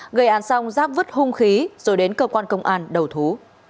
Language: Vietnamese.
người an xong giáp vứt hung khí rồi đến cơ quan công an đầu thú